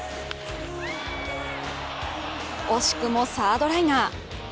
惜しくもサードライナー。